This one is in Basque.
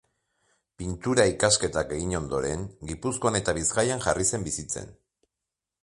Pintura-ikasketak egin ondoren, Gipuzkoan eta Bizkaian jarri zen bizitzen.